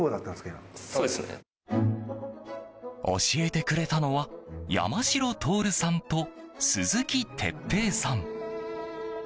教えてくれたのは山代徹さんと鈴木鉄平さん。